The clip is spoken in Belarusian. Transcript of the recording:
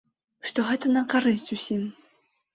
Што гэта на карысць усім.